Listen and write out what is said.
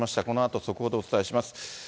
このあと速報でお伝えします。